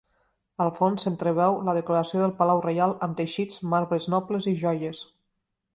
Al fons s'entreveu la decoració del palau reial, amb teixits, marbres nobles i joies.